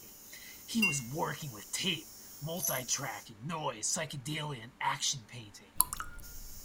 He was working with tape multi-tracking, noise, psychedelia and action painting.